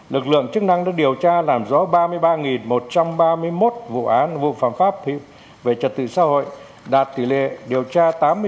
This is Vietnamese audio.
lực lượng chức năng đã điều tra làm rõ ba mươi ba một trăm ba mươi một vụ án vụ phạm pháp về trật tự xã hội đạt tỷ lệ điều tra tám mươi bốn